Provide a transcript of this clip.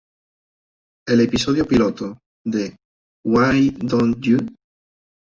El episodio piloto de "Why Don't You?